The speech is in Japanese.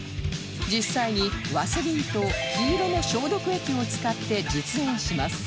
実際にワセリンと黄色の消毒液を使って実演します